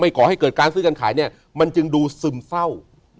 ก่อให้เกิดการซื้อการขายเนี่ยมันจึงดูซึมเศร้า